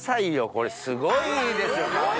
これすごいですよ看板。